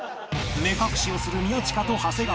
目隠しをする宮近と長谷川